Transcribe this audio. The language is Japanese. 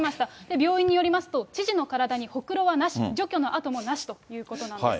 病院によりますと、知事の体にほくろはなし、除去の痕もなしということなんです。